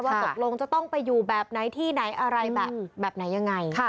ตกลงจะต้องไปอยู่แบบไหนที่ไหนอะไรแบบไหนยังไง